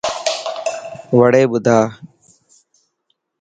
وڙي ٻڌا.